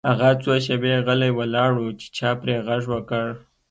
هغه څو شیبې غلی ولاړ و چې چا پرې غږ وکړ